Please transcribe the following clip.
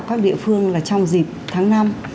các địa phương là trong dịp tháng năm